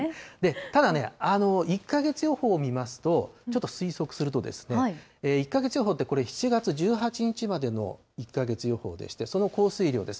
ただね、１か月予報を見ますと、ちょっと推測すると、１か月予報ってこれ、７月１８日までの１か月予報でして、その降水量です。